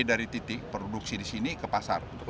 dari titik produksi di sini ke pasar